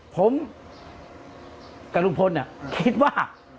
ผมกับลุงพลสมมุติว่า